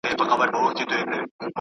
مُلا یې ولاړ سي د سر مقام ته `